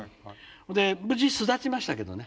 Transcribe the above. で無事巣立ちましたけどね。